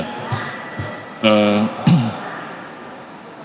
kalau alat ini memang digunakan sebagai alat dan perhitungan lainnya tetap dilakukan